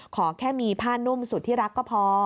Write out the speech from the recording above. ขอแค่มีผ้านุ่มสุดที่รักก็พอ